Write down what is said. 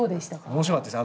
面白かったです。